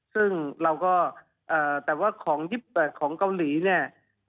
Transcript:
ซึ่งเราก็แต่ว่าของ๒๘ของเกาหลีเนี่ย